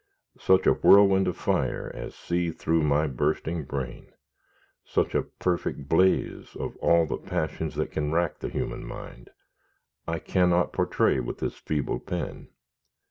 Such a whirlwind of fire as seethed through my bursting brain, such a perfect blaze of all the passions that can rack the human mind, I cannot portray with this feeble pen.